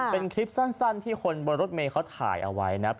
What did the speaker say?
เป็นคลิปสั้นที่คนบนรถเมย์เขาถ่ายเอาไว้นะ